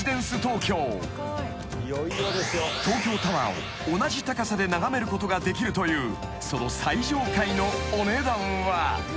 ［東京タワーを同じ高さで眺めることができるというその最上階のお値段は］